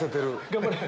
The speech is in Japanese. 頑張れ。